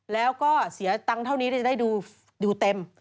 แล้วก็เสียตังค์เท่านี้ที่จะได้ดูเต็ม